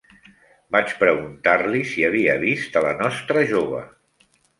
Vaig preguntar-li si havia vist a la nostra jove.